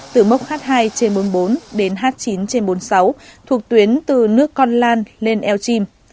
từ mốc h hai trên bốn mươi bốn đến h chín trên bốn mươi sáu thuộc tuyến từ nước con lan lên eo chim